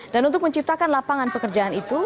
dan untuk menciptakan lapangan pekerjaan itu